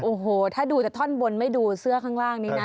โอ้โหถ้าดูแต่ท่อนบนไม่ดูเสื้อข้างล่างนี้นะ